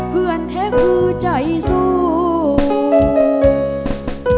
เพื่อนแท้คือใจสู้